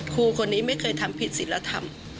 ครูคนนี้ไม่เคยทำผิดศิลธรรม